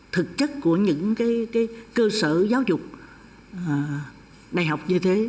thực chất của những cơ sở giáo dục đại học như thế